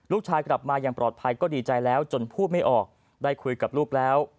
กลับมาอย่างปลอดภัยก็ดีใจแล้วจนพูดไม่ออกได้คุยกับลูกแล้ว